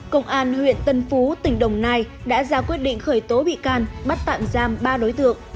công an huyện tân phú tỉnh đồng nai đã ra quyết định khởi tố bị can bắt tạm giam ba đối tượng